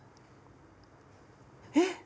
えっ！